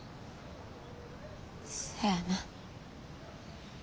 そやな。